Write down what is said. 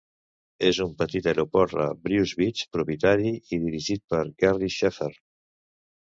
És un petit aeroport a Bruce Beach propietat i dirigit per Garry Shepherd.